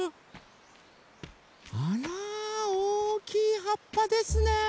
あらおおきいはっぱですね